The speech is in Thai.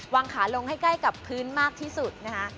วางขาลงให้ใกล้กับพื้นมากที่สุดนะคะ